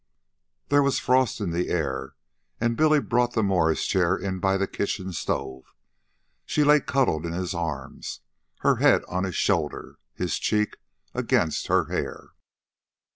There was frost in the air, and Billy brought the Morris chair in by the kitchen stove. She lay cuddled in his arms, her head on his shoulder, his cheek against her hair.